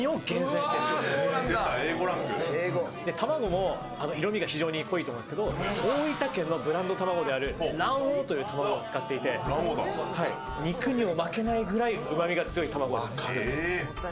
卵も色みが非常に濃いと思いますけど大分県のブランド卵である蘭王という卵を使っていて肉にも負けないぐらいうまみが強い卵です。